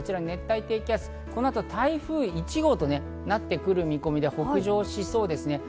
熱帯低気圧、この後、台風１号となってくる見込みで、北上しそうです。